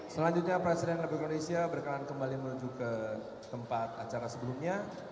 selanjutnya presiden republik indonesia berkelan kembali menuju ke tempat acara sebelumnya